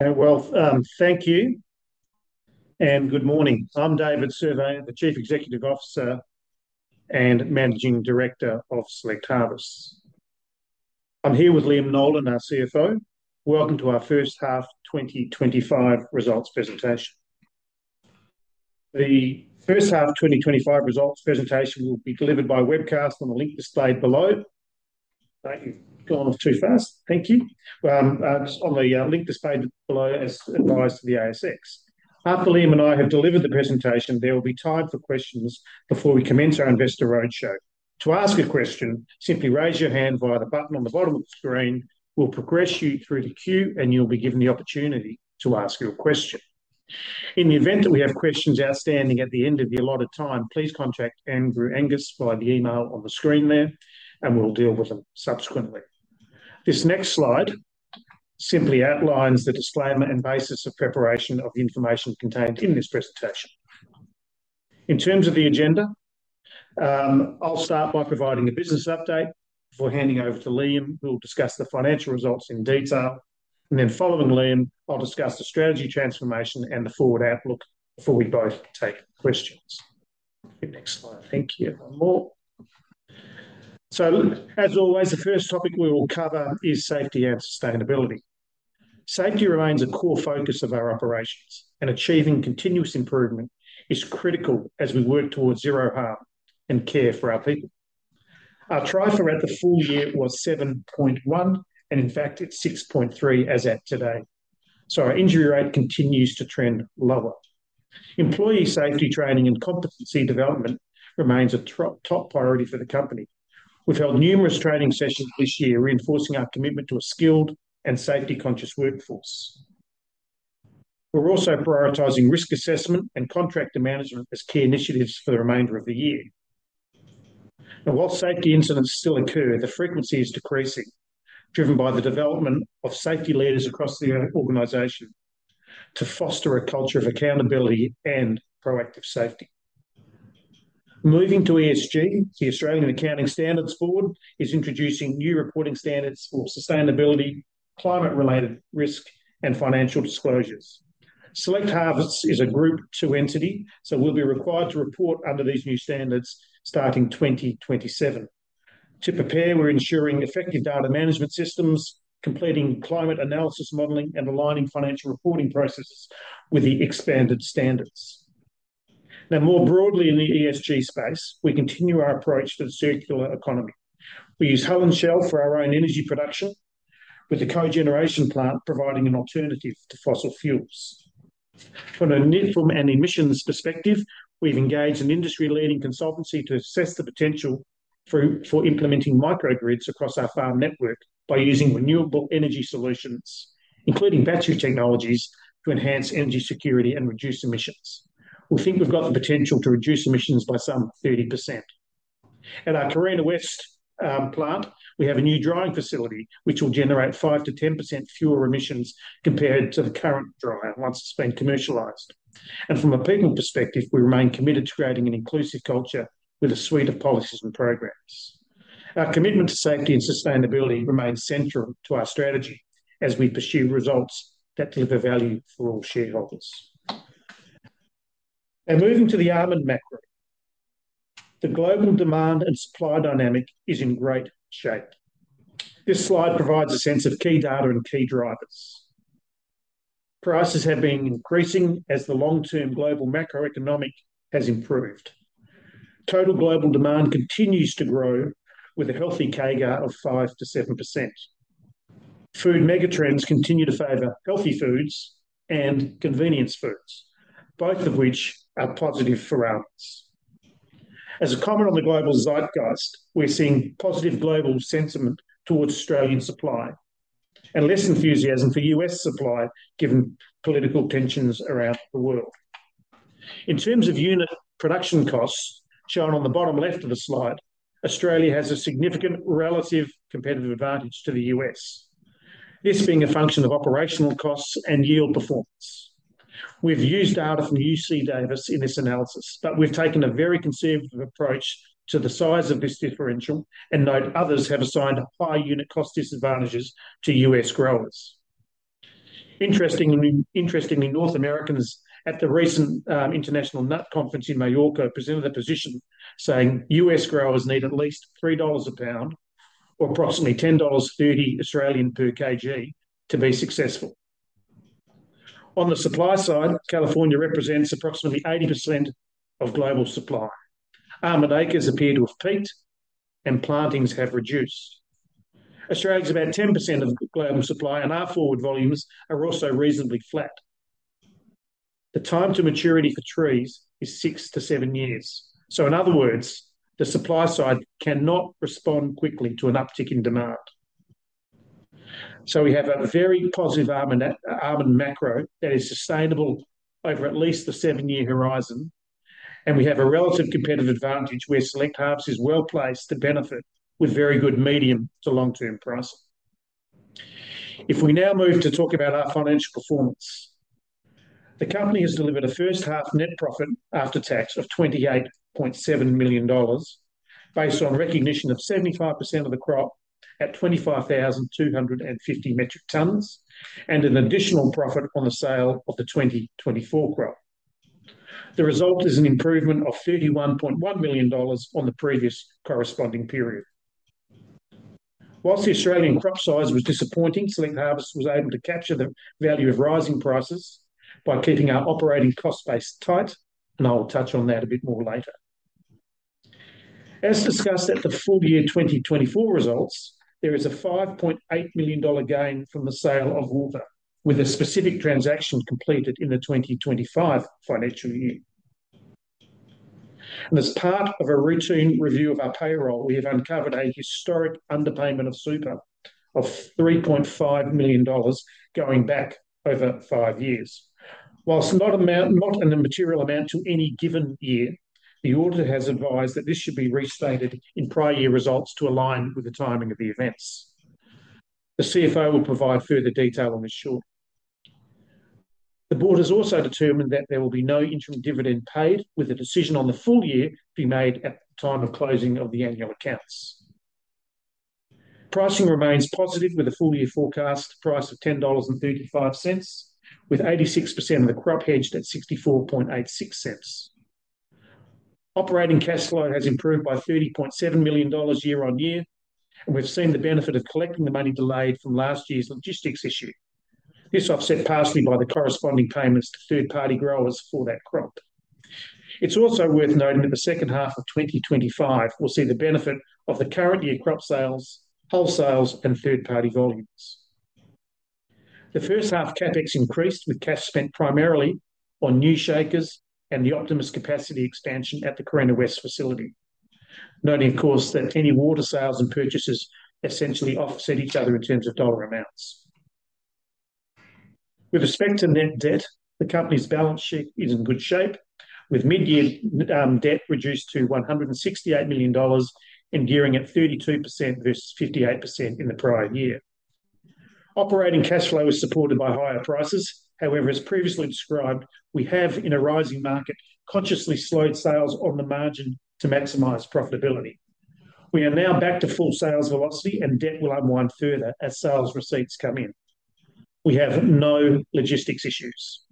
Thank you and good morning. I'm David Surveyor, the Chief Executive Officer and Managing Director of Select Harvests. I'm here with Liam Nolan, our CFO. Welcome to our first half 2025 results presentation. The first half 2025 results presentation will be delivered by webcast on the link displayed below. That you've gone off too fast. Thank you. On the link displayed below, as advised to the ASX. After Liam and I have delivered the presentation, there will be time for questions before we commence our Investor Roadshow. To ask a question, simply raise your hand via the button on the bottom of the screen. We'll progress you through the queue and you'll be given the opportunity to ask your question. In the event that we have questions outstanding at the end of the allotted time, please contact Andrew Angus by the email on the screen there and we'll deal with them subsequently. This next slide simply outlines the disclaimer and basis of preparation of the information contained in this presentation. In terms of the agenda, I'll start by providing a business update before handing over to Liam. We'll discuss the financial results in detail. Following Liam, I'll discuss the strategy transformation and the forward outlook before we both take questions. Next slide. Thank you. As always, the first topic we will cover is safety and sustainability. Safety remains a core focus of our operations and achieving continuous improvement is critical as we work towards zero harm and care for our people. Our TRIFR at the full year was 7.1 and in fact it's 6.3 as at today. Our injury rate continues to trend lower. Employee safety training and competency development remains a top priority for the company. We have held numerous training sessions this year reinforcing our commitment to a skilled and safety-conscious workforce. We are also prioritizing risk assessment and contractor management as key initiatives for the remainder of the year. While safety incidents still occur, the frequency is decreasing, driven by the development of safety leaders across the organization to foster a culture of accountability and proactive safety. Moving to ESG, the Australian Accounting Standards Board is introducing new reporting standards for sustainability, climate-related risk, and financial disclosures. Select Harvests is a group to entity, so we will be required to report under these new standards starting 2027. To prepare, we are ensuring effective data management systems, completing climate analysis modeling, and aligning financial reporting processes with the expanded standards. Now, more broadly in the ESG space, we continue our approach to the circular economy. We use hull and shell for our own energy production, with the co-generation plant providing an alternative to fossil fuels. From an emissions perspective, we've engaged an industry-leading consultancy to assess the potential for implementing microgrids across our farm network by using renewable energy solutions, including battery technologies, to enhance energy security and reduce emissions. We think we've got the potential to reduce emissions by some 30%. At our Carina West plant, we have a new drying facility which will generate 5%-10% fewer emissions compared to the current dryer once it's been commercialized. From a people perspective, we remain committed to creating an inclusive culture with a suite of policies and programs. Our commitment to safety and sustainability remains central to our strategy as we pursue results that deliver value for all shareholders. Moving to the almond macro, the global demand and supply dynamic is in great shape. This slide provides a sense of key data and key drivers. Prices have been increasing as the long-term global macroeconomic has improved. Total global demand continues to grow with a healthy CAGR of 5%-7%. Food megatrends continue to favor healthy foods and convenience foods, both of which are positive for ours. As a comment on the global zeitgeist, we're seeing positive global sentiment towards Australian supply and less enthusiasm for U.S. supply given political tensions around the world. In terms of unit production costs shown on the bottom left of the slide, Australia has a significant relative competitive advantage to the U.S., this being a function of operational costs and yield performance. We've used data from UC Davis in this analysis, but we've taken a very conservative approach to the size of this differential and note others have assigned high unit cost disadvantages to U.S. growers. Interestingly, North Americans at the recent International Nut Conference in Mallorca presented a position saying U.S. growers need at least $3 a pound or approximately 10.30 Australian dollars per kg to be successful. On the supply side, California represents approximately 80% of global supply. Almond acres appear to have peaked and plantings have reduced. Australia is about 10% of global supply and our forward volumes are also reasonably flat. The time to maturity for trees is six to seven years. In other words, the supply side cannot respond quickly to an uptick in demand. We have a very positive almond macro that is sustainable over at least the seven-year horizon. We have a relative competitive advantage where Select Harvests is well placed to benefit with very good medium to long-term pricing. If we now move to talk about our financial performance, the company has delivered a first half net profit after tax of 28.7 million dollars based on recognition of 75% of the crop at 25,250 metric tons and an additional profit on the sale of the 2024 crop. The result is an improvement of 31.1 million dollars on the previous corresponding period. Whilst the Australian crop size was disappointing, Select Harvests was able to capture the value of rising prices by keeping our operating cost base tight, and I will touch on that a bit more later. As discussed at the full year 2024 results, there is an 5.8 million dollar gain from the sale of Waltham with a specific transaction completed in the 2025 financial year. As part of a routine review of our payroll, we have uncovered a historic underpayment of super of 3.5 million dollars going back over five years. Whilst not an immaterial amount to any given year, the auditor has advised that this should be restated in prior year results to align with the timing of the events. The CFO will provide further detail on this shortly. The board has also determined that there will be no interim dividend paid, with a decision on the full year to be made at the time of closing of the annual accounts. Pricing remains positive with a full year forecast price of 10.35 dollars, with 86% of the crop hedged at 64.86. Operating cash flow has improved by 30.7 million dollars year on year, and we've seen the benefit of collecting the money delayed from last year's logistics issue. This offset partially by the corresponding payments to third-party growers for that crop. It's also worth noting that the second half of 2025 will see the benefit of the current year crop sales, wholesales, and third-party volumes. The first half CapEx increased with cash spent primarily on new shakers and the Optimus capacity expansion at the Carina West facility. Noting, of course, that any water sales and purchases essentially offset each other in terms of dollar amounts. With respect to net debt, the company's balance sheet is in good shape, with mid-year debt reduced to 168 million dollars, enduring at 32% versus 58% in the prior year. Operating cash flow is supported by higher prices. However, as previously described, we have in a rising market consciously slowed sales on the margin to maximize profitability. We are now back to full sales velocity and debt will unwind further as sales receipts come in. We have no logistics issues.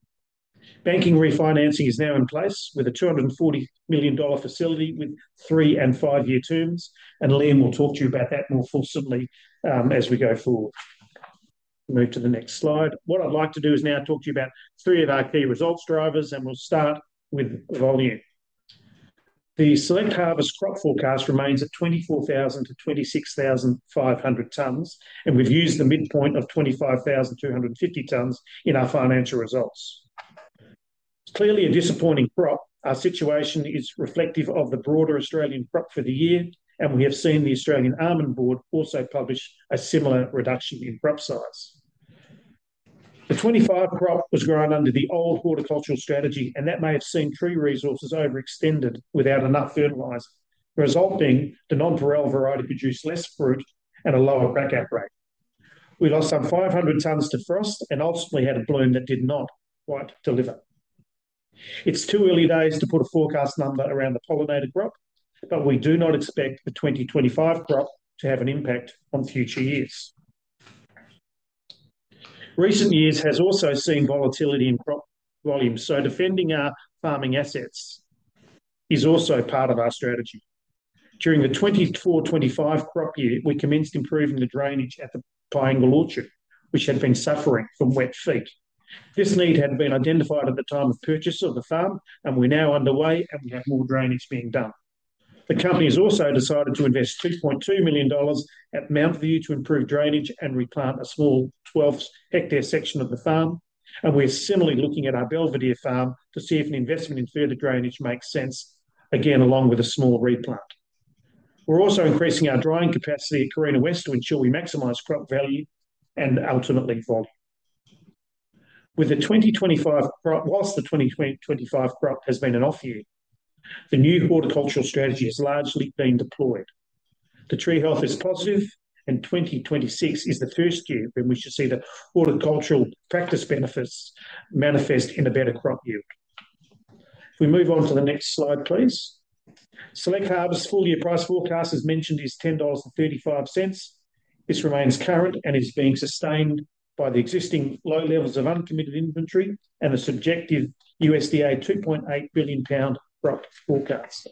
Banking refinancing is now in place with an 240 million dollar facility with three- and five-year terms, and Liam will talk to you about that more fulsomely as we go forward. Move to the next slide. What I'd like to do is now talk to you about three of our key results drivers, and we'll start with volume. The Select Harvests crop forecast remains at 24,000 tons-26,500 tons, and we've used the midpoint of 25,250 tons in our financial results. Clearly a disappointing crop, our situation is reflective of the broader Australian crop for the year, and we have seen the Almond Board of Australia also publish a similar reduction in crop size. The 2025 crop was grown under the old horticultural strategy, and that may have seen tree resources overextended without enough fertilizer, resulting in the non-pareil variety producing less fruit and a lower backup rate. We lost some 500 tons to frost and ultimately had a bloom that did not quite deliver. It's too early days to put a forecast number around the pollinator crop, but we do not expect the 2025 crop to have an impact on future years. Recent years have also seen volatility in crop volume, so defending our farming assets is also part of our strategy. During the 2024-2025 crop year, we commenced improving the drainage at Pine Gulcher, which had been suffering from wet feet. This need had been identified at the time of purchase of the farm, and we're now underway, and we have more drainage being done. The company has also decided to invest 2.2 million dollars at Mount View to improve drainage and replant a small 12-hectare section of the farm, and we're similarly looking at our Belvedere farm to see if an investment in further drainage makes sense, again along with a small replant. We're also increasing our drying capacity at Carina West to ensure we maximise crop value and ultimately volume. Whilst the 2025 crop has been an off-year, the new horticultural strategy has largely been deployed. The tree health is positive, and 2026 is the first year when we should see the horticultural practice benefits manifest in a better crop yield. If we move on to the next slide, please. Select Harvests' full year price forecast, as mentioned, is 10.35 dollars. This remains current and is being sustained by the existing low levels of uncommitted inventory and the subjective USDA $2.8 billion crop forecast.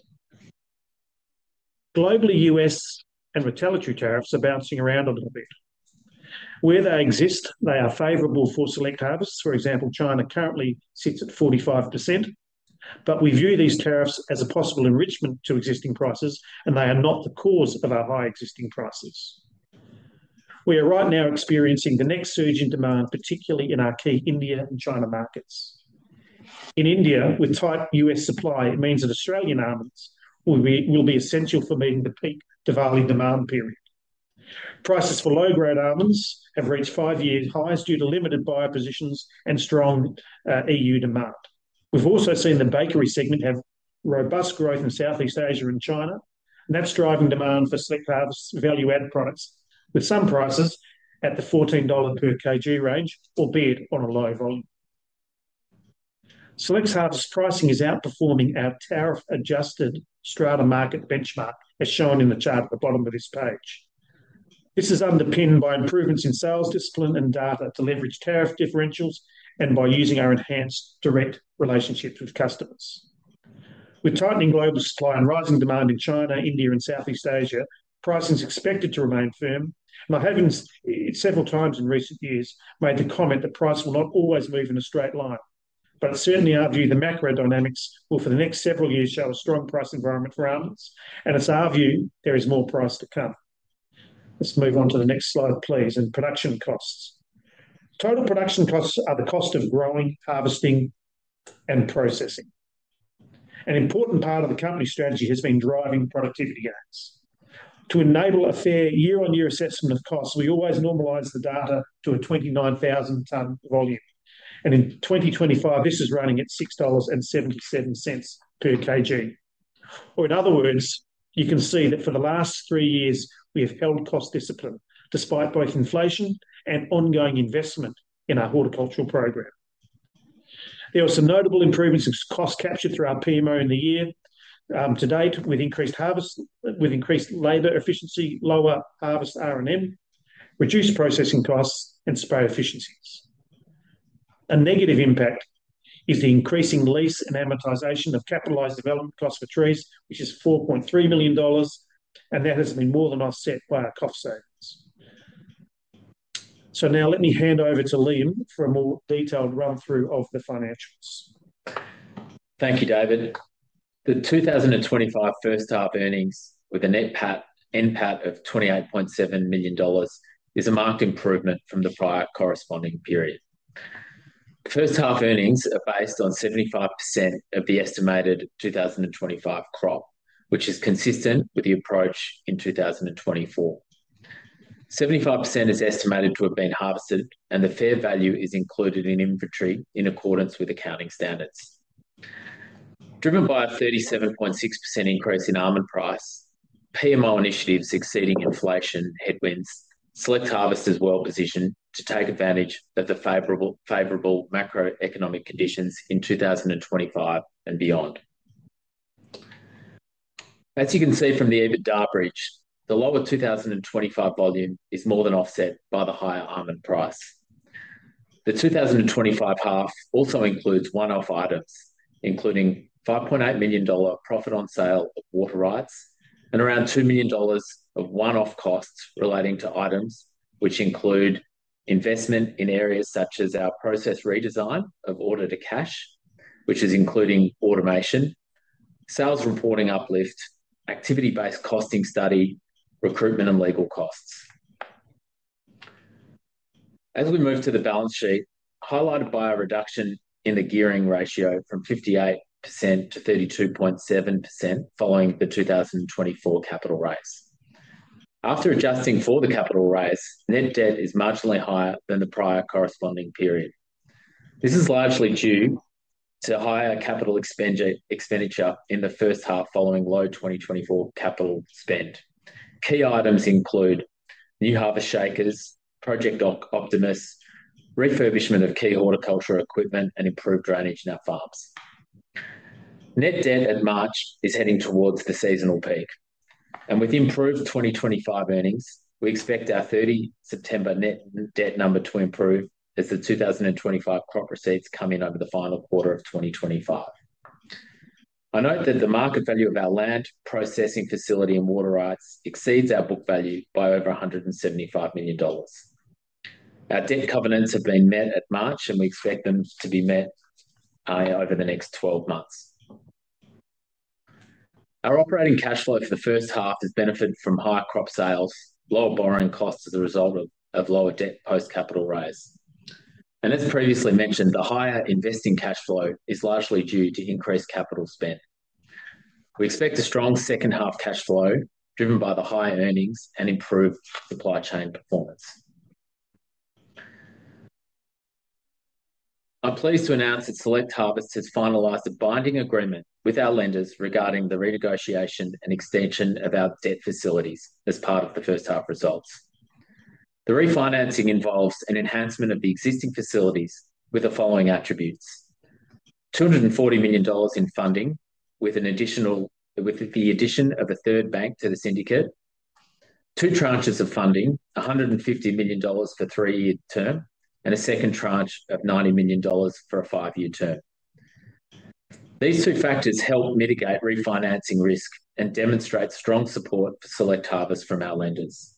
Globally, U.S. and retaliatory tariffs are bouncing around a little bit. Where they exist, they are favorable for Select Harvests. For example, China currently sits at 45%, but we view these tariffs as a possible enrichment to existing prices, and they are not the cause of our high existing prices. We are right now experiencing the next surge in demand, particularly in our key India and China markets. In India, with tight U.S. supply, it means that Australian almonds will be essential for meeting the peak Diwali demand period. Prices for low-grade almonds have reached five-year highs due to limited buyer positions and strong E.U. demand. We've also seen the bakery segment have robust growth in Southeast Asia and China, and that's driving demand for Select Harvests' value-add products, with some prices at the 14 dollar per kg range, albeit on a low volume. Select Harvests' pricing is outperforming our tariff-adjusted strata market benchmark, as shown in the chart at the bottom of this page. This is underpinned by improvements in sales discipline and data to leverage tariff differentials and by using our enhanced direct relationships with customers. With tightening global supply and rising demand in China, India, and Southeast Asia, pricing is expected to remain firm. My having several times in recent years made the comment that price will not always move in a straight line, but I certainly argue the macro dynamics will, for the next several years, show a strong price environment for almonds, and it's our view there is more price to come. Let's move on to the next slide, please, and production costs. Total production costs are the cost of growing, harvesting, and processing. An important part of the company strategy has been driving productivity gains. To enable a fair year-on-year assessment of costs, we always normalize the data to a 29,000 tonne volume, and in 2025, this is running at 6.77 dollars per kg. Or in other words, you can see that for the last three years, we have held cost discipline despite both inflation and ongoing investment in our horticultural program. There are some notable improvements in cost capture through our PMO in the year to date, with increased labor efficiency, lower harvest R&M, reduced processing costs, and spray efficiencies. A negative impact is the increasing lease and amortization of capitalized development costs for trees, which is 4.3 million dollars, and that has been more than offset by our cost savings. Now let me hand over to Liam for a more detailed run-through of the financials. Thank you, David. The 2025 first half earnings, with a net PAT of 28.7 million dollars, is a marked improvement from the prior corresponding period. First half earnings are based on 75% of the estimated 2025 crop, which is consistent with the approach in 2024. 75% is estimated to have been harvested, and the fair value is included in inventory in accordance with accounting standards. Driven by a 37.6% increase in almond price, PMO initiatives exceeding inflation headwinds, Select Harvests is well positioned to take advantage of the favorable macroeconomic conditions in 2025 and beyond. As you can see from the EBITDA bridge, the lower 2025 volume is more than offset by the higher almond price. The 2025 half also includes one-off items, including 5.8 million dollar profit on sale of water rights and around 2 million dollars of one-off costs relating to items, which include investment in areas such as our process redesign of order to cash, which is including automation, sales reporting uplift, activity-based costing study, recruitment, and legal costs. As we move to the balance sheet, highlighted by a reduction in the gearing ratio from 58%-32.7% following the 2024 capital raise. After adjusting for the capital raise, net debt is marginally higher than the prior corresponding period. This is largely due to higher capital expenditure in the first half following low 2024 capital spend. Key items include new harvest shakers, project Optimus, refurbishment of key horticultural equipment, and improved drainage in our farms. Net debt at March is heading towards the seasonal peak, and with improved 2025 earnings, we expect our 30 September net debt number to improve as the 2025 crop receipts come in over the final quarter of 2025. I note that the market value of our land processing facility and water rights exceeds our book value by over 175 million dollars. Our debt covenants have been met at March, and we expect them to be met over the next 12 months. Our operating cash flow for the first half has benefited from higher crop sales, lower borrowing costs as a result of lower debt post-capital raise. As previously mentioned, the higher investing cash flow is largely due to increased capital spent. We expect a strong second half cash flow driven by the high earnings and improved supply chain performance. I'm pleased to announce that Select Harvests has finalized a binding agreement with our lenders regarding the renegotiation and extension of our debt facilities as part of the first half results. The refinancing involves an enhancement of the existing facilities with the following attributes: 240 million dollars in funding, with the addition of a third bank to the syndicate, two tranches of funding, 150 million dollars for a three-year term, and a second tranche of 90 million dollars for a five-year term. These two factors help mitigate refinancing risk and demonstrate strong support for Select Harvests from our lenders.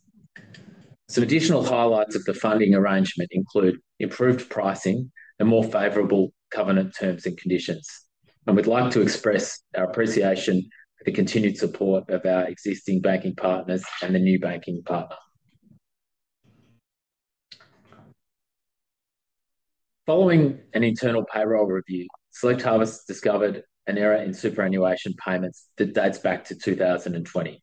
Some additional highlights of the funding arrangement include improved pricing and more favorable covenant terms and conditions, and we'd like to express our appreciation for the continued support of our existing banking partners and the new banking partner. Following an internal payroll review, Select Harvests discovered an error in superannuation payments that dates back to 2020.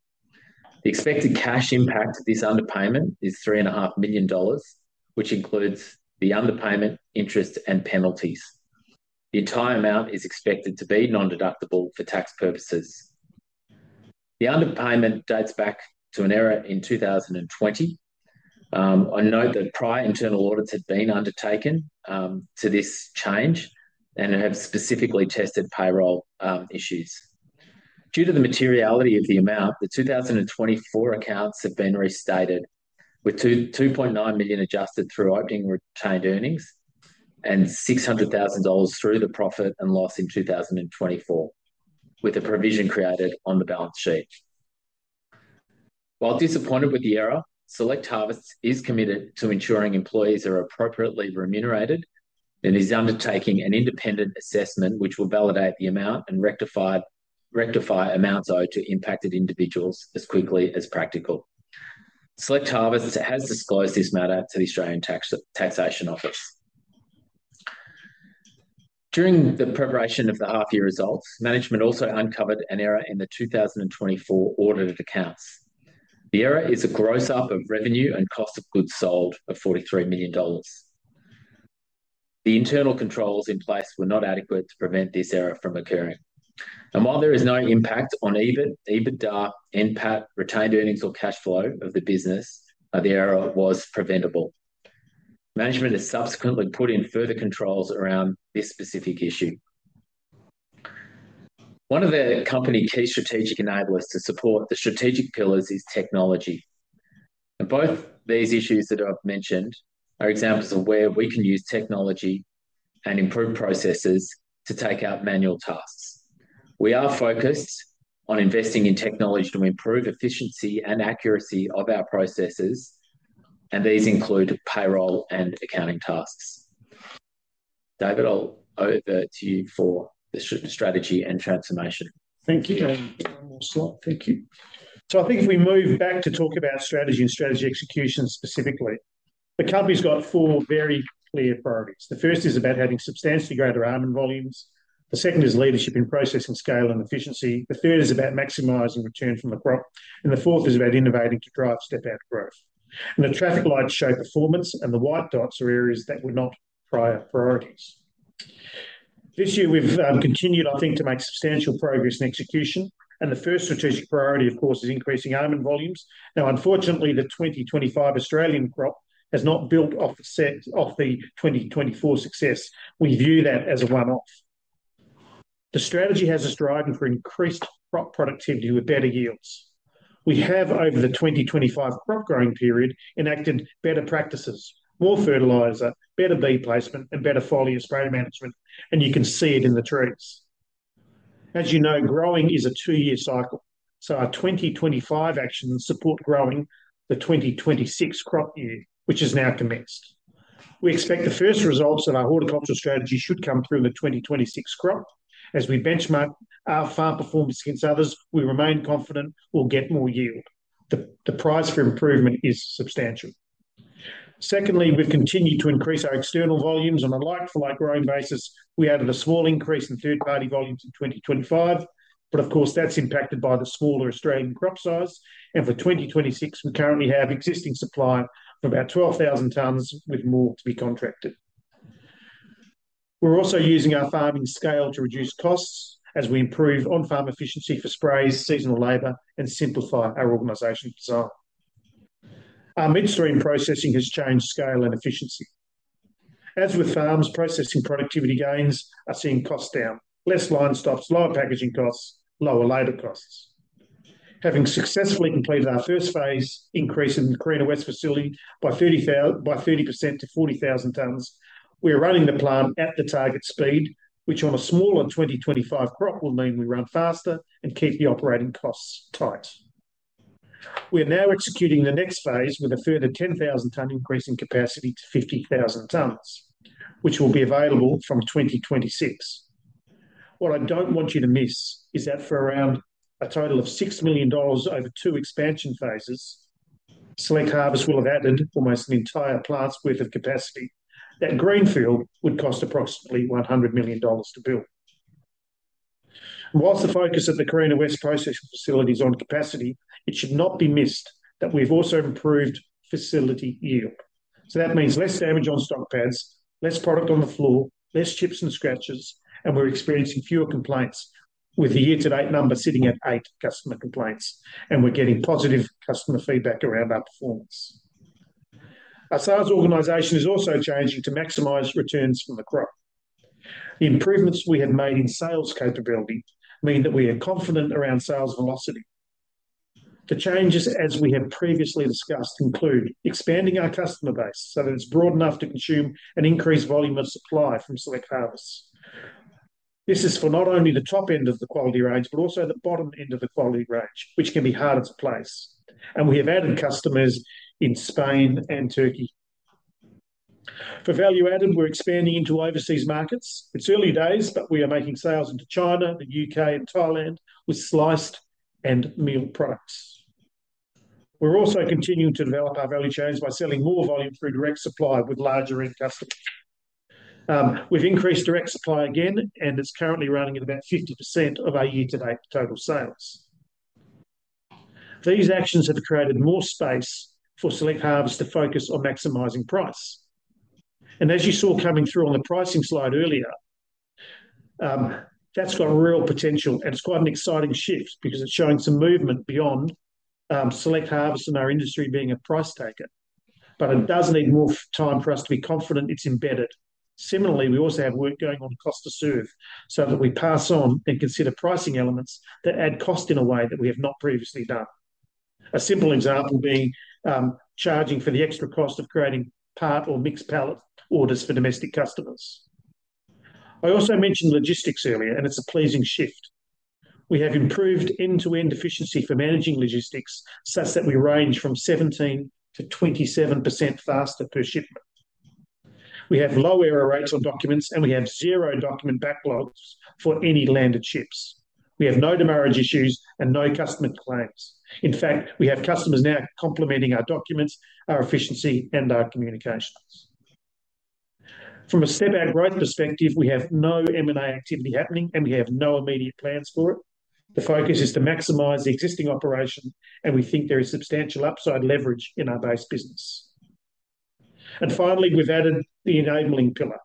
The expected cash impact of this underpayment is 3.5 million dollars, which includes the underpayment, interest, and penalties. The entire amount is expected to be non-deductible for tax purposes. The underpayment dates back to an error in 2020. I note that prior internal audits had been undertaken to this change and have specifically tested payroll issues. Due to the materiality of the amount, the 2024 accounts have been restated, with 2.9 million adjusted through opening retained earnings and 600,000 dollars through the profit and loss in 2024, with a provision created on the balance sheet. While disappointed with the error, Select Harvests is committed to ensuring employees are appropriately remunerated and is undertaking an independent assessment, which will validate the amount and rectify amounts owed to impacted individuals as quickly as practical. Select Harvests has disclosed this matter to the Australian Taxation Office. During the preparation of the half-year results, management also uncovered an error in the 2024 audited accounts. The error is a gross up of revenue and cost of goods sold of 43 million dollars. The internal controls in place were not adequate to prevent this error from occurring. While there is no impact on EBITDA, net PAT, retained earnings, or cash flow of the business, the error was preventable. Management has subsequently put in further controls around this specific issue. One of the company key strategic enablers to support the strategic pillars is technology. Both these issues that I've mentioned are examples of where we can use technology and improve processes to take out manual tasks. We are focused on investing in technology to improve efficiency and accuracy of our processes, and these include payroll and accounting tasks. David, I'll hand over to you for the strategy and transformation. Thank you. One more slot. Thank you. I think if we move back to talk about strategy and strategy execution specifically, the company has four very clear priorities. The first is about having substantially greater almond volumes. The second is leadership in processing scale and efficiency. The third is about maximizing returns from the crop. The fourth is about innovating to drive step-out growth. The traffic lights show performance, and the white dots are areas that were not prior priorities. This year, we've continued, I think, to make substantial progress in execution. The first strategic priority, of course, is increasing almond volumes. Now, unfortunately, the 2025 Australian crop has not built off the 2024 success. We view that as a one-off. The strategy has us driving for increased crop productivity with better yields. We have, over the 2025 crop growing period, enacted better practices, more fertiliser, better bee placement, and better foliage spray management, and you can see it in the trees. As you know, growing is a two-year cycle, so our 2025 actions support growing the 2026 crop year, which is now commenced. We expect the first results of our horticultural strategy should come through the 2026 crop. As we benchmark our farm performance against others, we remain confident we'll get more yield. The price for improvement is substantial. Secondly, we have continued to increase our external volumes on a like-for-like growing basis. We added a small increase in third-party volumes in 2025, but of course, that is impacted by the smaller Australian crop size. For 2026, we currently have existing supply of about 12,000 tonnes with more to be contracted. We are also using our farming scale to reduce costs as we improve on-farm efficiency for sprays, seasonal labor, and simplify our organization design. Our midstream processing has changed scale and efficiency. As with farms, processing productivity gains are seeing costs down: less line stops, lower packaging costs, lower labor costs. Having successfully completed our first phase increase in the Carina West facility by 30% to 40,000 tonnes, we are running the plant at the target speed, which on a smaller 2025 crop will mean we run faster and keep the operating costs tight. We are now executing the next phase with a further 10,000 tonne increase in capacity to 50,000 tonnes, which will be available from 2026. What I do not want you to miss is that for around a total of 6 million dollars over two expansion phases, Select Harvests will have added almost an entire plant's worth of capacity. That greenfield would cost approximately 100 million dollars to build. Whilst the focus of the Carina West processing facility is on capacity, it should not be missed that we have also improved facility yield. That means less damage on stock pads, less product on the floor, fewer chips and scratches, and we are experiencing fewer complaints, with the year-to-date number sitting at eight customer complaints, and we are getting positive customer feedback around our performance. Our sales organization is also changing to maximize returns from the crop. The improvements we have made in sales capability mean that we are confident around sales velocity. The changes, as we have previously discussed, include expanding our customer base so that it is broad enough to consume an increased volume of supply from Select Harvests. This is for not only the top end of the quality range, but also the bottom end of the quality range, which can be harder to place. We have added customers in Spain and Turkey. For value added, we are expanding into overseas markets. It is early days, but we are making sales into China, the U.K., and Thailand with sliced and meal products. We are also continuing to develop our value chains by selling more volume through direct supply with larger end customers. We have increased direct supply again, and it is currently running at about 50% of our year-to-date total sales. These actions have created more space for Select Harvests to focus on maximizing price. As you saw coming through on the pricing slide earlier, that has real potential, and it is quite an exciting shift because it is showing some movement beyond Select Harvests and our industry being a price taker. It does need more time for us to be confident it is embedded. Similarly, we also have work going on at Costa Surve so that we pass on and consider pricing elements that add cost in a way that we have not previously done. A simple example being charging for the extra cost of creating part or mixed pallet orders for domestic customers. I also mentioned logistics earlier, and it is a pleasing shift. We have improved end-to-end efficiency for managing logistics such that we range from 17%-27% faster per shipment. We have low error rates on documents, and we have zero document backlogs for any landed ships. We have no demurrage issues and no customer complaints. In fact, we have customers now complimenting our documents, our efficiency, and our communications. From a step-out growth perspective, we have no M&A activity happening, and we have no immediate plans for it. The focus is to maximize the existing operation, and we think there is substantial upside leverage in our base business. Finally, we have added the enabling pillar.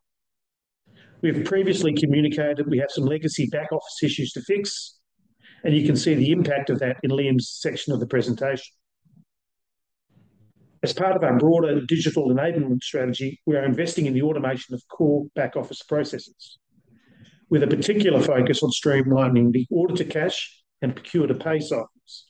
We have previously communicated we have some legacy back office issues to fix, and you can see the impact of that in Liam's section of the presentation. As part of our broader digital enablement strategy, we are investing in the automation of core back office processes, with a particular focus on streamlining the order-to-cash and procure-to-pay cycles.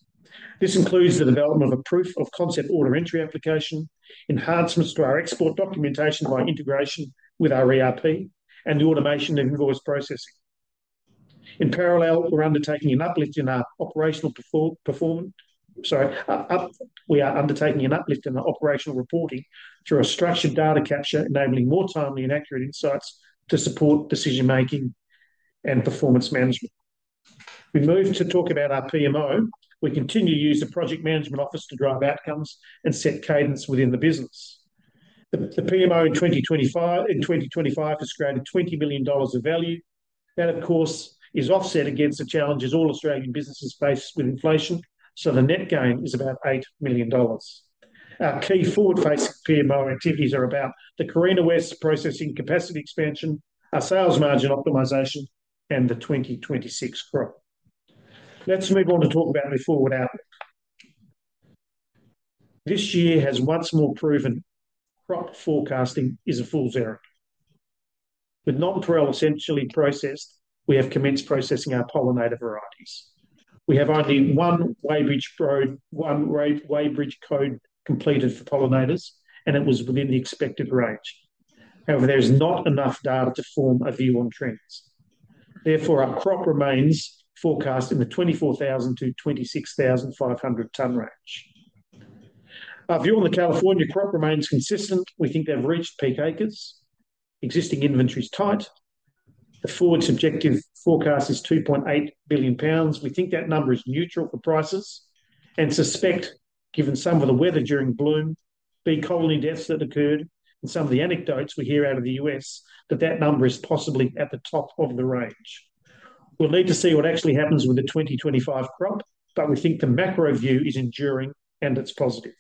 This includes the development of a proof-of-concept order entry application, enhancements to our export documentation by integration with our ERP, and the automation of invoice processing. In parallel, we're undertaking an uplift in our operational performance. Sorry. We are undertaking an uplift in our operational reporting through a structured data capture, enabling more timely and accurate insights to support decision-making and performance management. We moved to talk about our PMO. We continue to use the Project Management Office to drive outcomes and set cadence within the business. The PMO in 2025 has created 20 million dollars of value. That, of course, is offset against the challenges all Australian businesses face with inflation, so the net gain is about 8 million dollars. Our key forward-facing PMO activities are about the Carina West processing capacity expansion, our sales margin optimization, and the 2026 crop. Let's move on to talk about the forward outlook. This year has once more proven crop forecasting is a fool's errand. With non-parallel essential processing, we have commenced processing our pollinator varieties. We have only one weighbridge code completed for pollinators, and it was within the expected range. However, there is not enough data to form a view on trends. Therefore, our crop remains forecast in the 24,000-26,500 tonne range. Our view on the California crop remains consistent. We think they've reached peak acres. Existing inventory is tight. The forward subjective forecast is $2.8 billion. We think that number is neutral for prices and suspect, given some of the weather during bloom, bee colony deaths that occurred and some of the anecdotes we hear out of the U.S., that that number is possibly at the top of the range. We'll need to see what actually happens with the 2025 crop, but we think the macro view is enduring, and it's positive.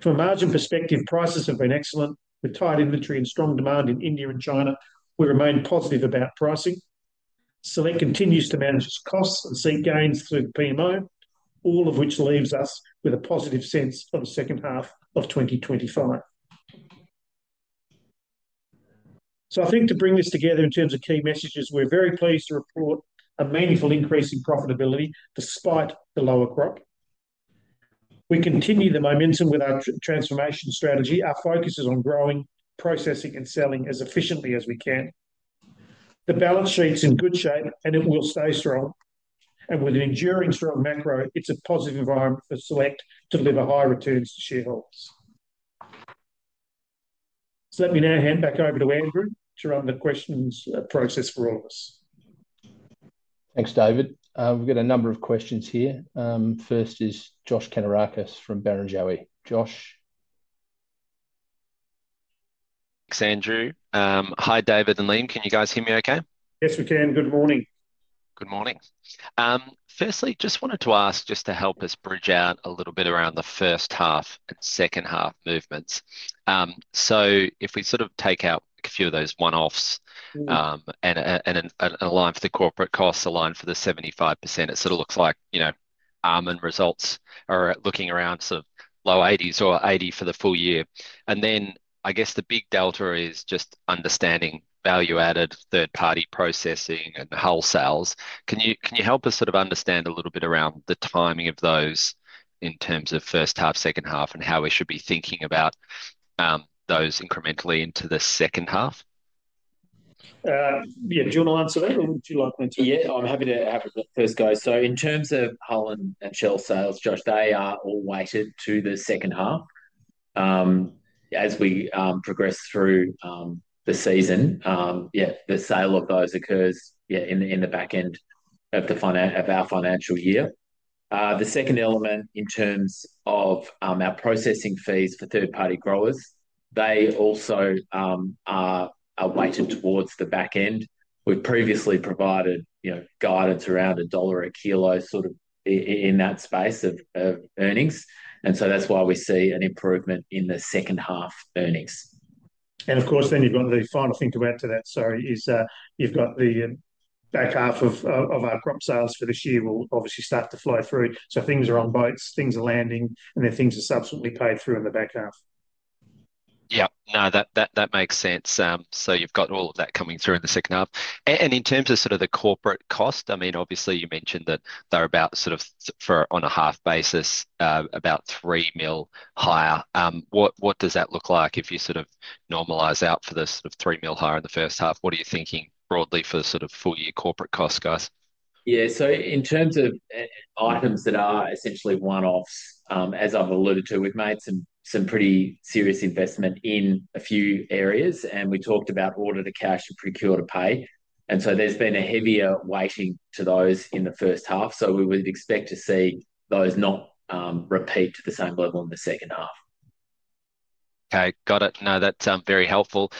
From a margin perspective, prices have been excellent. With tight inventory and strong demand in India and China, we remain positive about pricing. Select continues to manage its costs and seek gains through the PMO, all of which leaves us with a positive sense of the second half of 2025. I think to bring this together in terms of key messages, we're very pleased to report a meaningful increase in profitability despite the lower crop. We continue the momentum with our transformation strategy. Our focus is on growing, processing, and selling as efficiently as we can. The balance sheet's in good shape, and it will stay strong. With an enduring strong macro, it's a positive environment for Select to deliver high returns to shareholders. Let me now hand back over to Andrew to run the questions process for all of us. Thanks, David. We've got a number of questions here. First is Josh Kannourakis from Barrenjoey. Josh. Thanks, Andrew. Hi, David and Liam. Can you guys hear me okay? Yes, we can. Good morning. Good morning. Firstly, just wanted to ask, just to help us bridge out a little bit around the first half and second half movements. If we sort of take out a few of those one-offs and align for the corporate costs, align for the 75%, it sort of looks like almond results are looking around sort of low 80s or 80 for the full year. I guess the big delta is just understanding value added, third-party processing, and wholesales. Can you help us sort of understand a little bit around the timing of those in terms of first half, second half, and how we should be thinking about those incrementally into the second half? Yeah. Do you want to answer that, or would you like me to? Yeah. I'm happy to have the first go. In terms of hull and shell sales, Josh, they are all weighted to the second half as we progress through the season. The sale of those occurs in the back end of our financial year. The second element in terms of our processing fees for third-party growers, they also are weighted towards the back end. We've previously provided guidance around AUD 1 a kilo sort of in that space of earnings. That is why we see an improvement in the second half earnings. Of course, then you've got the final thing to add to that, sorry, is you've got the back half of our crop sales for this year will obviously start to flow through. Things are on boats, things are landing, and then things are subsequently paid through in the back half. Yep. No, that makes sense. You've got all of that coming through in the second half. In terms of the corporate cost, I mean, obviously, you mentioned that they're about on a half basis, about 3 million higher. What does that look like if you normalize out for the 3 million higher in the first half? What are you thinking broadly for the full year corporate costs, guys? Yeah. In terms of items that are essentially one-offs, as I've alluded to, we've made some pretty serious investment in a few areas, and we talked about order-to-cash and procure-to-pay. There has been a heavier weighting to those in the first half. We would expect to see those not repeat to the same level in the second half. Okay. Got it. No, that's very helpful.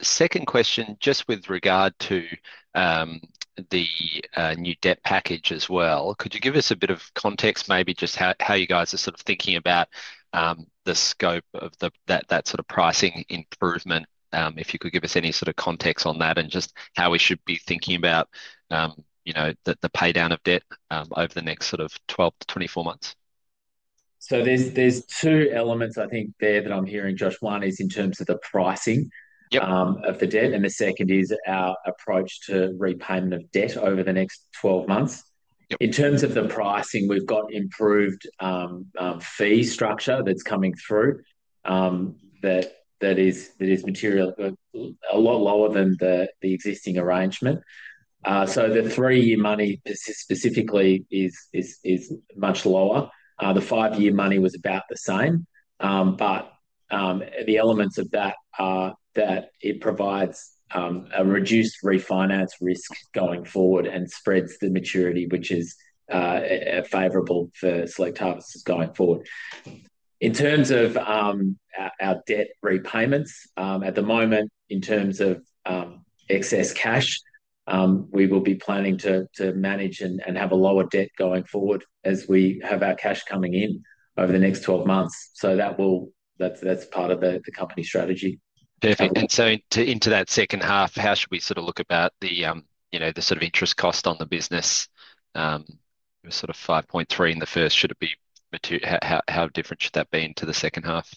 Second question, just with regard to the new debt package as well, could you give us a bit of context, maybe just how you guys are sort of thinking about the scope of that sort of pricing improvement, if you could give us any sort of context on that and just how we should be thinking about the paydown of debt over the next 12-24 months? There are two elements, I think, there that I'm hearing, Josh. One is in terms of the pricing of the debt, and the second is our approach to repayment of debt over the next 12 months. In terms of the pricing, we've got improved fee structure that's coming through that is material, a lot lower than the existing arrangement. The three-year money specifically is much lower. The five-year money was about the same. The elements of that are that it provides a reduced refinance risk going forward and spreads the maturity, which is favorable for Select Harvests going forward. In terms of our debt repayments, at the moment, in terms of excess cash, we will be planning to manage and have a lower debt going forward as we have our cash coming in over the next 12 months. That's part of the company strategy. Perfect. Into that second half, how should we sort of look about the sort of interest cost on the business? It was sort of 5.3 in the first. How different should that be into the second half?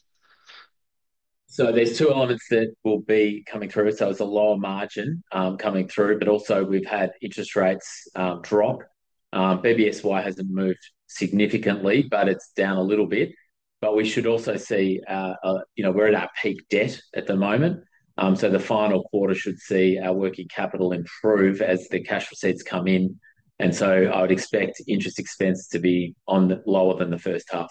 There are two elements that will be coming through. There is a lower margin coming through, but also we have had interest rates drop. BBSY has not moved significantly, but it is down a little bit. We should also see we are at our peak debt at the moment. The final quarter should see our working capital improve as the cash receipts come in. I would expect interest expense to be lower than the first half.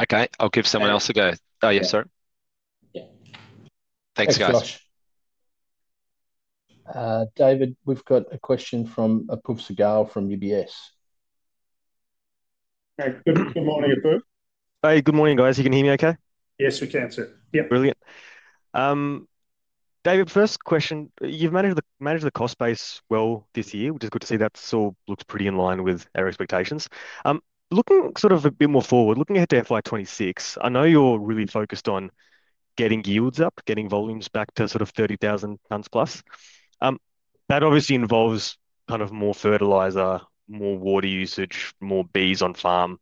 Okay. I will give someone else a go. Oh, yeah. Sorry. Yeah. Thanks, guys. Thanks, Josh. David, we have a question from Apuf Sagal from UBS. Hey. Good morning, Apuf. Hey. Good morning, guys. You can hear me okay? Yes, we can, sir. Yep. Brilliant. David, first question. You've managed the cost base well this year, which is good to see. That all looks pretty in line with our expectations. Looking sort of a bit more forward, looking ahead to FY 2026, I know you're really focused on getting yields up, getting volumes back to sort of 30,000 tonnes plus. That obviously involves kind of more fertiliser, more water usage, more bees on farm.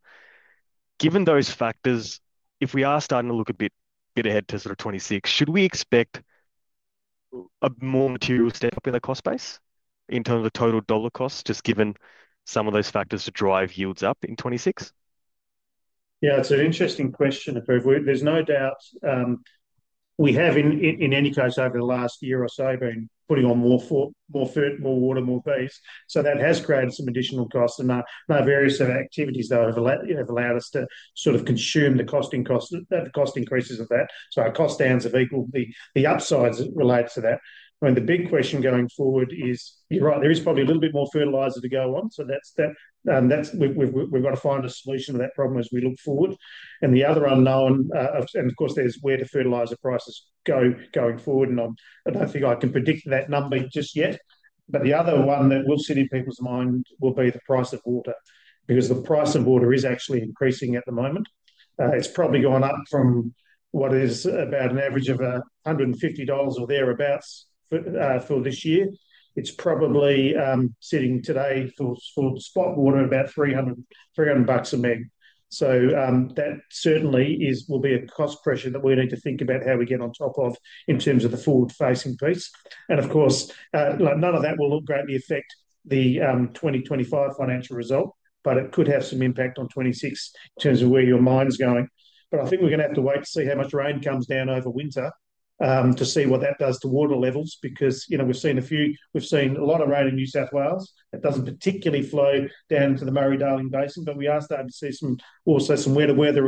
Given those factors, if we are starting to look a bit ahead to sort of 2026, should we expect a more material step up in the cost base in terms of total dollar cost, just given some of those factors to drive yields up in 2026? Yeah. It's an interesting question, Apuf. There's no doubt we have, in any case, over the last year or so, been putting on more fert, more water, more bees. That has created some additional costs. There are various activities that have allowed us to sort of consume the cost increases of that. Our cost downs have equaled the upsides related to that. I mean, the big question going forward is, you're right, there is probably a little bit more fertiliser to go on. We've got to find a solution to that problem as we look forward. The other unknown, of course, is where do fertiliser prices go going forward. I don't think I can predict that number just yet. The other one that will sit in people's mind will be the price of water, because the price of water is actually increasing at the moment. It's probably going up from what is about an average of 150 dollars or thereabouts for this year. It's probably sitting today for spot water at about 300 bucks a me. That certainly will be a cost pressure that we need to think about how we get on top of in terms of the forward-facing piece. Of course, none of that will greatly affect the 2025 financial result, but it could have some impact on 2026 in terms of where your mind's going. I think we're going to have to wait to see how much rain comes down over winter to see what that does to water levels, because we've seen a lot of rain in New South Wales. It doesn't particularly flow down to the Murray-Darling Basin, but we are starting to see also some wetter weather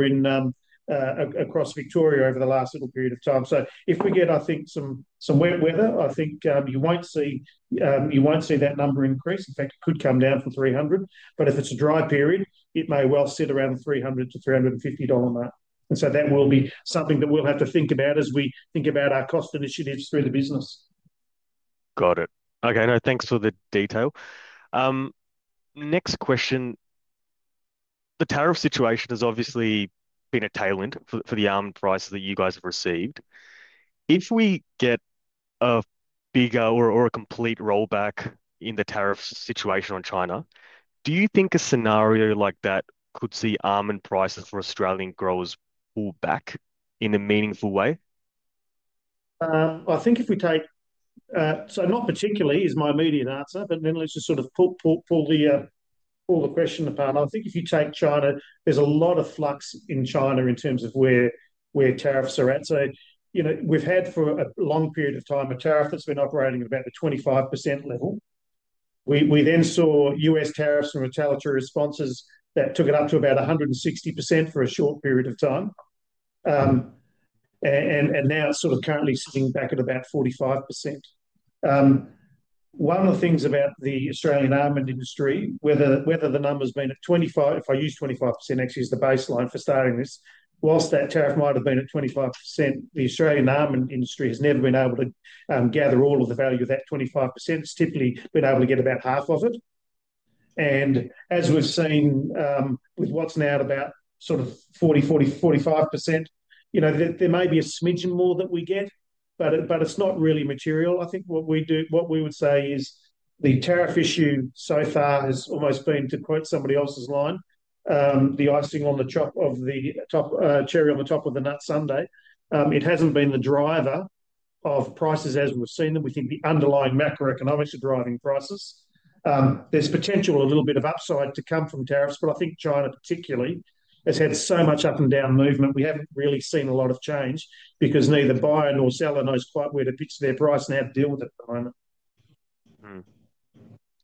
across Victoria over the last little period of time. If we get, I think, some wet weather, I think you will not see that number increase. In fact, it could come down from 300. If it is a dry period, it may well sit around the 300-350 dollar mark. That will be something that we will have to think about as we think about our cost initiatives through the business. Got it. Okay. No, thanks for the detail. Next question. The tariff situation has obviously been a tailwind for the almond price that you guys have received. If we get a bigger or a complete rollback in the tariff situation on China, do you think a scenario like that could see almond prices for Australian growers pull back in a meaningful way? I think if we take—not particularly is my immediate answer, but then let's just sort of pull the question apart. I think if you take China, there's a lot of flux in China in terms of where tariffs are at. We've had for a long period of time a tariff that's been operating at about the 25% level. We then saw U.S. tariffs from retaliatory responses that took it up to about 160% for a short period of time. It is currently sitting back at about 45%. One of the things about the Australian almond industry, whether the number's been at 25—if I use 25% actually as the baseline for starting this. Whilst that tariff might have been at 25%, the Australian almond industry has never been able to gather all of the value of that 25%. It's typically been able to get about half of it. As we've seen with what's now at about 40%-45%, there may be a smidgen more that we get, but it's not really material. I think what we would say is the tariff issue so far has almost been, to quote somebody else's line, the icing on the cherry on the top of the nut sundae. It hasn't been the driver of prices as we've seen them. We think the underlying macroeconomics are driving prices. There's potential a little bit of upside to come from tariffs, but I think China particularly has had so much up and down movement, we haven't really seen a lot of change because neither buyer nor seller knows quite where to pitch their price and how to deal with it at the moment.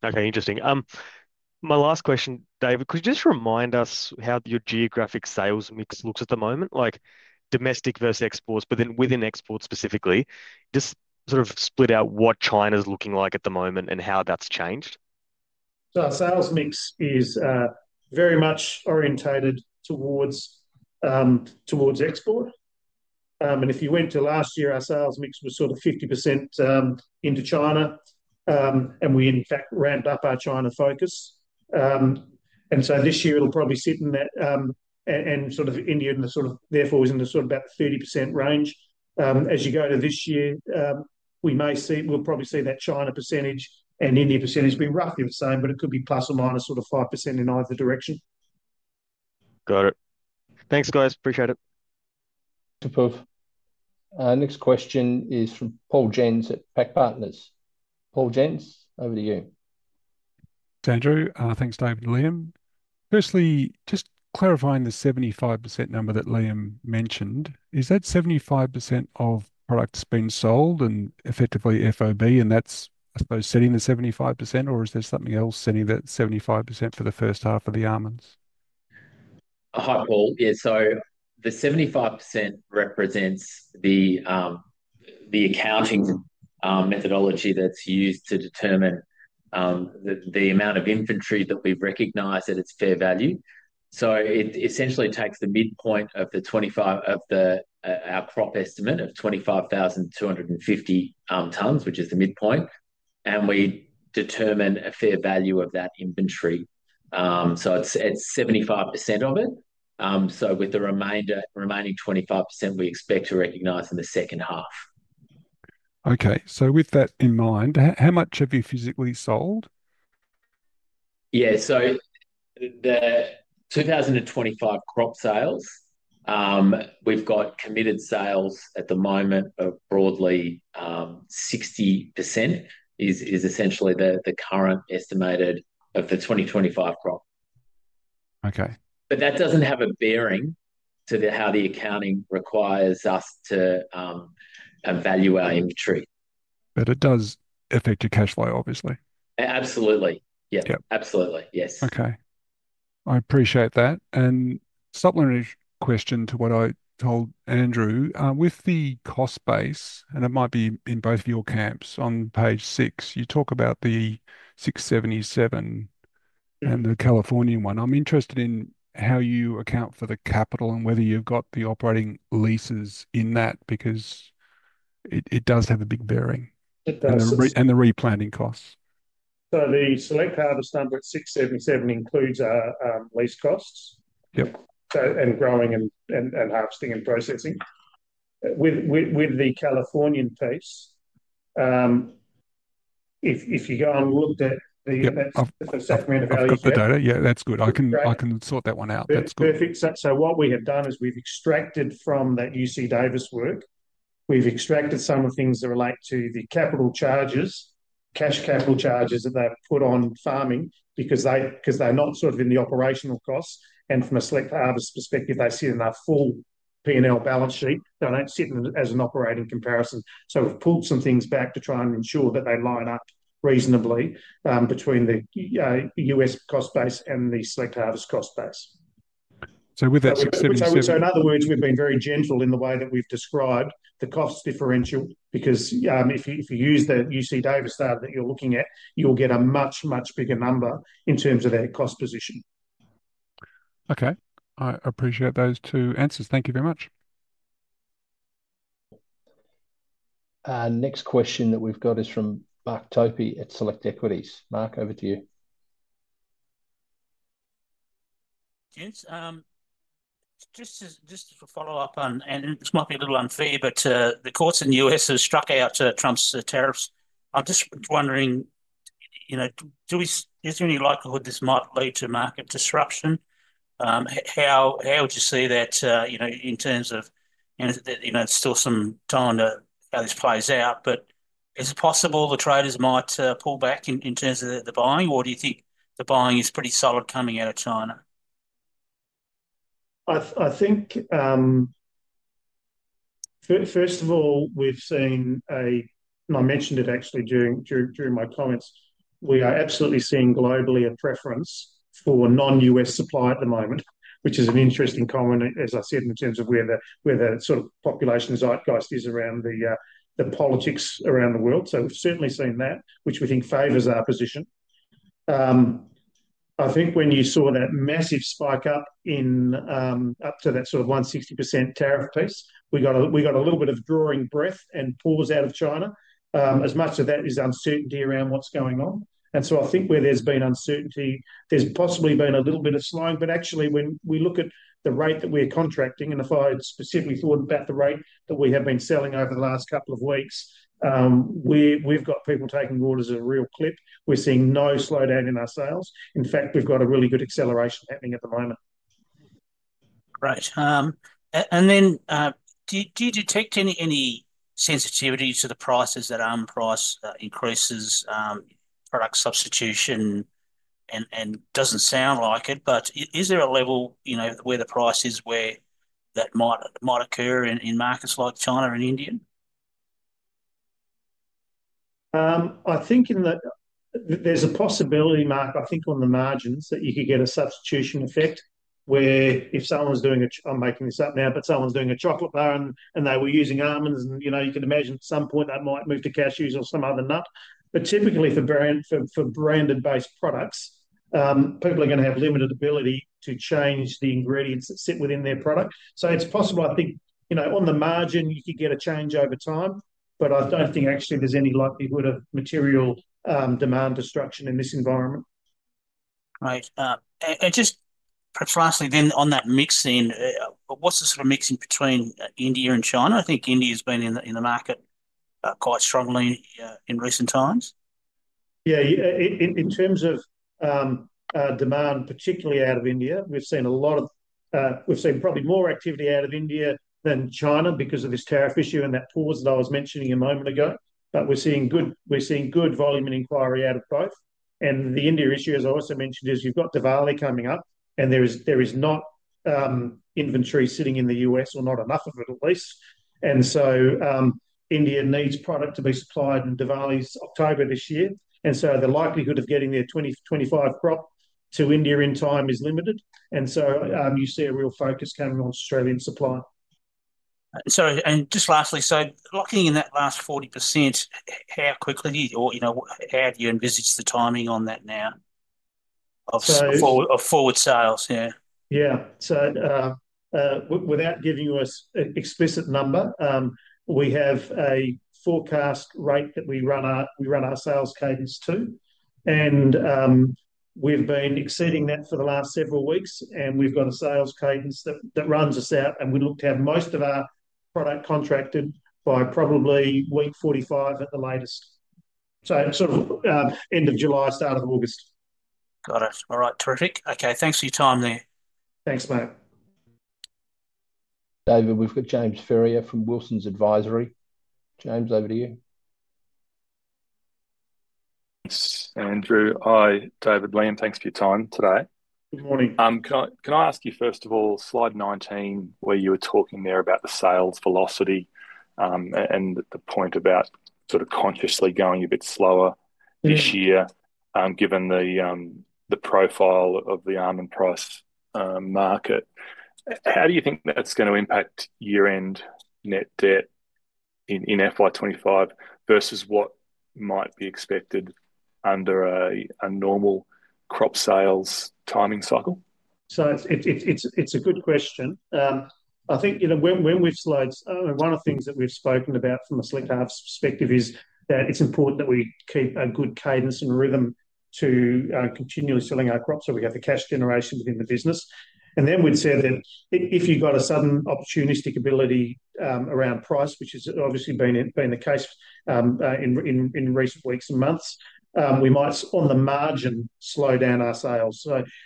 Okay. Interesting. My last question, David, could you just remind us how your geographic sales mix looks at the moment, like domestic versus exports, but then within exports specifically, just sort of split out what China's looking like at the moment and how that's changed? Our sales mix is very much orientated towards export. If you went to last year, our sales mix was sort of 50% into China, and we, in fact, ramped up our China focus. This year, it'll probably sit in that, and sort of India and the sort of therefore is in the sort of about 30% range. As you go to this year, we'll probably see that China percentage and India percentage be roughly the same, but it could be 5% in either direction. Got it. Thanks, guys. Appreciate it. Apuf. Next question is from Paul Jensz at PAC Partners. Paul Jensz, over to you. Thanks, Andrew. Thanks, David and Liam. Firstly, just clarifying the 75% number that Liam mentioned, is that 75% of products being sold and effectively FOB, and that's, I suppose, setting the 75%, or is there something else setting that 75% for the first half of the almonds? Hi, Paul. Yeah. The 75% represents the accounting methodology that's used to determine the amount of inventory that we've recognized at its fair value. It essentially takes the midpoint of our crop estimate of 25,250 tonnes, which is the midpoint, and we determine a fair value of that inventory. It's 75% of it. With the remaining 25%, we expect to recognize in the second half. Okay. With that in mind, how much have you physically sold? Yeah. The 2025 crop sales, we've got committed sales at the moment of broadly 60% is essentially the current estimated of the 2025 crop. That does not have a bearing to how the accounting requires us to value our inventory. It does affect your cash flow, obviously. Absolutely. Yeah. Absolutely. Yes. Okay. I appreciate that. Supplementary question to what I told Andrew. With the cost base, and it might be in both of your camps, on page six, you talk about the 677 and the Californian one. I'm interested in how you account for the capital and whether you've got the operating leases in that because it does have a big bearing. It does. The replanting costs. The Select Harvests number at 677 includes our lease costs and growing and harvesting and processing. With the Californian piece, if you go and look at the supplemental value of that. Yeah. That's good. I can sort that one out. That's good. Perfect. What we have done is we've extracted from that UC Davis work, we've extracted some of the things that relate to the capital charges, cash capital charges that they've put on farming because they're not sort of in the operational costs. From a Select Harvests perspective, they sit in our full P&L balance sheet. They do not sit as an operating comparison. We've pulled some things back to try and ensure that they line up reasonably between the US cost base and the Select Harvests cost base. With that 677. In other words, we've been very gentle in the way that we've described the cost differential because if you use the UC Davis data that you're looking at, you'll get a much, much bigger number in terms of their cost position. Okay. I appreciate those two answers. Thank you very much. Next question that we've got is from Mark Topy at Select Equities. Mark, over to you. Just to follow up on, and this might be a little unfair, but the courts in the U.S. have struck out Trump's tariffs. I'm just wondering, is there any likelihood this might lead to market disruption? How would you see that in terms of there's still some time to how this plays out? Is it possible the traders might pull back in terms of the buying? Or do you think the buying is pretty solid coming out of China? I think, first of all, we've seen a—and I mentioned it actually during my comments—we are absolutely seeing globally a preference for non-U.S. supply at the moment, which is an interesting comment, as I said, in terms of where the sort of population's outcast is around the politics around the world. We have certainly seen that, which we think favors our position. I think when you saw that massive spike up in up to that sort of 160% tariff piece, we got a little bit of drawing breath and pause out of China. As much of that is uncertainty around what's going on. I think where there's been uncertainty, there's possibly been a little bit of slowing. Actually, when we look at the rate that we're contracting, and if I had specifically thought about the rate that we have been selling over the last couple of weeks, we've got people taking orders at a real clip. We're seeing no slowdown in our sales. In fact, we've got a really good acceleration happening at the moment. Right. Do you detect any sensitivity to the prices, that almond price increases, product substitution, and does not sound like it? Is there a level where the price is where that might occur in markets like China and India? I think there's a possibility, Mark, I think on the margins, that you could get a substitution effect where if someone's doing a—I'm making this up now—but someone's doing a chocolate bar and they were using almonds, and you can imagine at some point that might move to cashews or some other nut. Typically, for branded-based products, people are going to have limited ability to change the ingredients that sit within their product. It is possible, I think, on the margin, you could get a change over time. I do not think actually there's any likelihood of material demand destruction in this environment. Right. Just precisely then on that mixing, what's the sort of mixing between India and China? I think India has been in the market quite strongly in recent times. Yeah. In terms of demand, particularly out of India, we've seen probably more activity out of India than China because of this tariff issue and that pause that I was mentioning a moment ago. We are seeing good volume and inquiry out of both. The India issue, as I also mentioned, is you've got Diwali coming up, and there is not inventory sitting in the U.S., or not enough of it at least. India needs product to be supplied in Diwali's October this year. The likelihood of getting their 2025 crop to India in time is limited. You see a real focus coming on Australian supply. Sorry. Just lastly, looking in that last 40%, how quickly or how do you envisage the timing on that now of forward sales? Yeah. Yeah. Without giving you an explicit number, we have a forecast rate that we run our sales cadence to. We've been exceeding that for the last several weeks, and we've got a sales cadence that runs us out. We look to have most of our product contracted by probably week 45 at the latest, so sort of end of July, start of August. Got it. All right. Terrific. Okay. Thanks for your time there. Thanks, Mark. David, we've got James Ferrier from Wilsons Advisory. James, over to you. Thanks, Andrew. Hi, David, Liam. Thanks for your time today. Good morning. Can I ask you, first of all, slide 19, where you were talking there about the sales velocity and the point about sort of consciously going a bit slower this year given the profile of the almond price market. How do you think that's going to impact year-end net debt in FY 2025 versus what might be expected under a normal crop sales timing cycle? It's a good question. I think when we've slides, one of the things that we've spoken about from a Select Harvests perspective is that it's important that we keep a good cadence and rhythm to continually selling our crops so we have the cash generation within the business. We'd say that if you've got a sudden opportunistic ability around price, which has obviously been the case in recent weeks and months, we might, on the margin, slow down our sales.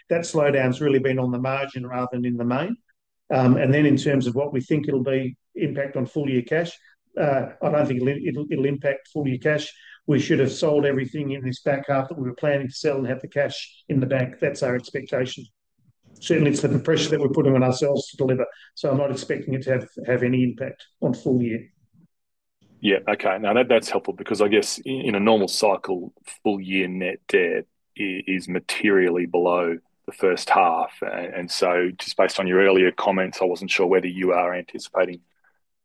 That slowdown's really been on the margin rather than in the main. In terms of what we think it'll be impact on full-year cash, I don't think it'll impact full-year cash. We should have sold everything in this back half that we were planning to sell and have the cash in the bank. That's our expectation. Certainly, it's the pressure that we're putting on ourselves to deliver. I'm not expecting it to have any impact on full-year. Yeah. Okay. No, that's helpful because I guess in a normal cycle, full-year net debt is materially below the first half. Just based on your earlier comments, I wasn't sure whether you are anticipating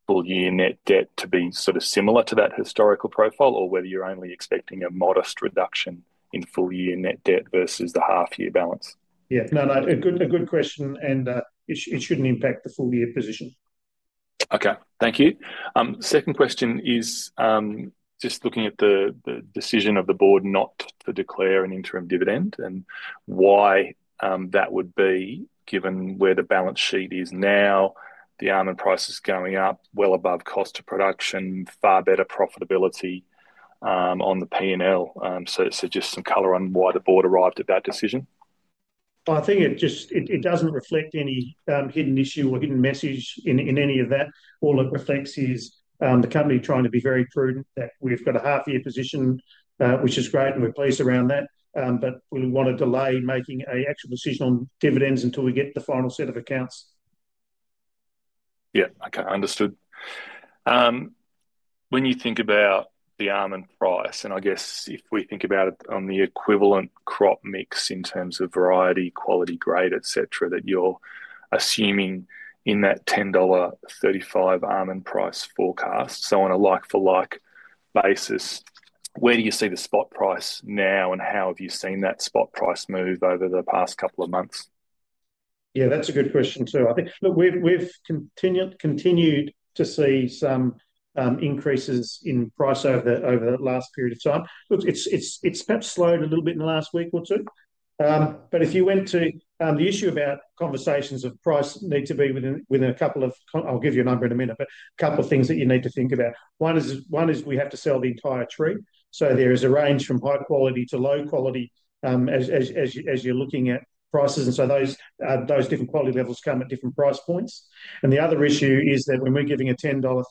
full-year net debt to be sort of similar to that historical profile or whether you're only expecting a modest reduction in full-year net debt versus the half-year balance. Yeah. No, no. A good question, and it shouldn't impact the full-year position. Okay. Thank you. Second question is just looking at the decision of the board not to declare an interim dividend and why that would be given where the balance sheet is now, the almond price is going up well above cost of production, far better profitability on the P&L. Just some color on why the board arrived at that decision. I think it does not reflect any hidden issue or hidden message in any of that. All it reflects is the company trying to be very prudent that we have got a half-year position, which is great, and we are pleased around that. We want to delay making an actual decision on dividends until we get the final set of accounts. Yeah. Okay. Understood. When you think about the almond price, and I guess if we think about it on the equivalent crop mix in terms of variety, quality, grade, etc., that you're assuming in that 10.35 dollar almond price forecast, on a like-for-like basis, where do you see the spot price now, and how have you seen that spot price move over the past couple of months? Yeah. That's a good question too. I think we've continued to see some increases in price over the last period of time. It's perhaps slowed a little bit in the last week or two. If you went to the issue about conversations of price need to be within a couple of—I'll give you a number in a minute—but a couple of things that you need to think about. One is we have to sell the entire tree. There is a range from high quality to low quality as you're looking at prices. Those different quality levels come at different price points. The other issue is that when we're giving a 10.35 dollar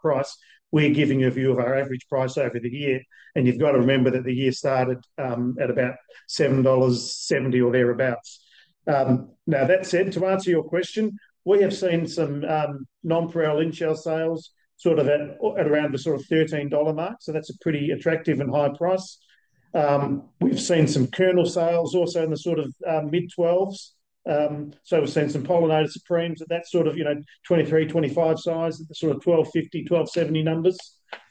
price, we're giving you a view of our average price over the year. You've got to remember that the year started at about 7.70 dollars or thereabout. That said, to answer your question, we have seen some non-pareil in-shell sales at around the 13 dollar mark. That is a pretty attractive and high price. We've seen some kernel sales also in the mid-AUD 12s. We've seen some pollinator supremes at that 23-25 size, the 12.50-12.70 numbers.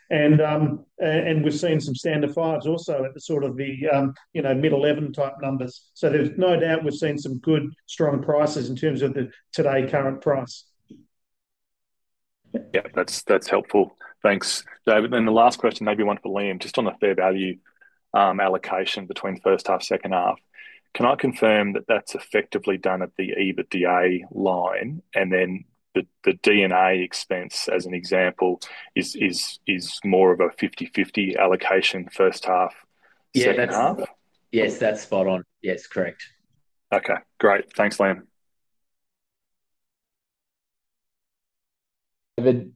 We've seen some standard fives also at the mid-AUD 11 type numbers. There is no doubt we have seen some good, strong prices in terms of the today current price. Yeah. That is helpful. Thanks, David. The last question, maybe one for Liam, just on the fair value allocation between first half, second half. Can I confirm that is effectively done at the EBITDA line? The D&A expense, as an example, is more of a 50/50 allocation, first half, second half? Yes. That is spot on. Yes. Correct. Okay. Great. Thanks, Liam. David,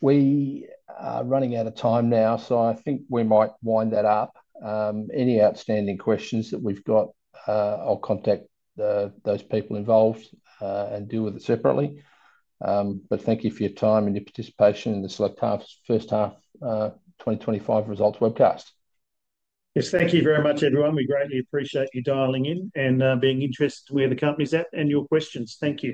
we are running out of time now, so I think we might wind that up. Any outstanding questions that we have got, I will contact those people involved and deal with it separately. Thank you for your time and your participation in the Select Harvests first half 2025 results webcast. Yes. Thank you very much, everyone. We greatly appreciate you dialing in and being interested to where the company is at and your questions. Thank you.